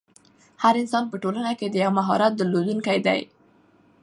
هر انسان په ټولنه کښي د یو مهارت درلودونکی دئ.